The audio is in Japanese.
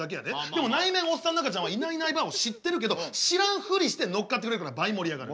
でも内面おっさんの赤ちゃんはいないいないばあを知ってるけど知らんふりして乗っかってくれるから倍盛り上がる。